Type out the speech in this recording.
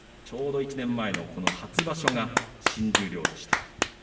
ちょうど１年前のこの初場所が新十両でした。